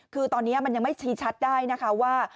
คือตอนนี้มันยังไม่ชี้ชัดได้นะคะว่า